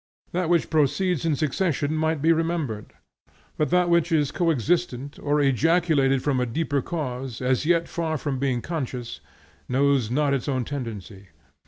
That which proceeds in succession might be remembered, but that which is coexistent, or ejaculated from a deeper cause, as yet far from being conscious, knows not its own tendency.